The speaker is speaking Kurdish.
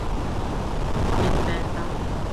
Min berda.